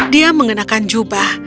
dia mengenakan jubah